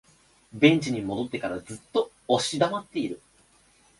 ベンチに戻ってからずっと押し黙っている